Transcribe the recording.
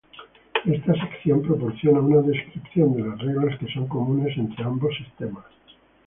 Esta sección proporciona una descripción de las reglas que son comunes entre ambos sistemas.